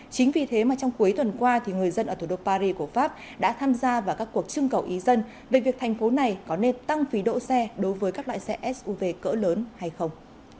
chính vì thế mà trong cuối tuần qua người dân ở thủ đô paris của pháp đã tham gia vào các cuộc trưng cầu ý dân về việc thành phố này có nên tăng phí đỗ xe đối với các loại xe suv cỡ lớn hay không